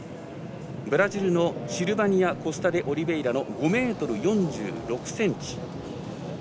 ブラジルのシルバニア・コスタデオリベイラの５ｍ４６ｃｍ。